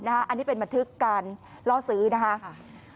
อันนี้เป็นบันทึกการล่อซื้อนะคะ